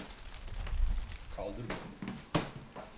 Kaldır beni.